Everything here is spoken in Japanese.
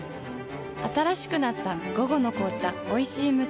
新しくなった「午後の紅茶おいしい無糖」